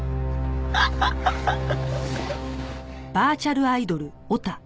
ハハハハ。